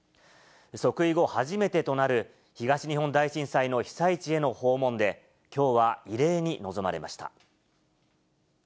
即位後、初めてとなる東日本大震災の被災地への訪問で、きょうは慰霊に臨まれました。